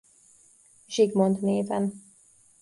Zsigmond néven.